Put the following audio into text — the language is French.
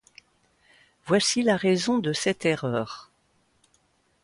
Voici la raison de cette erreur.